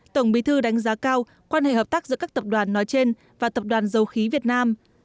tổng bí thư đánh giá cao quan hệ hợp tác giữa các tập đoàn nói trên và tập đoàn dầu khí việt nam